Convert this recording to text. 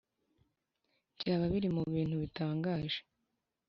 byaba biri mu bintu bitangaje